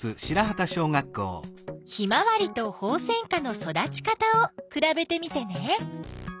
ヒマワリとホウセンカの育ち方をくらべてみてね。